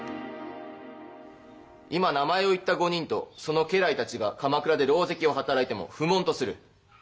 今名前を言った５人とその家来たちが鎌倉で狼藉を働いても不問とする。